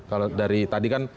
kalau dari tadi kan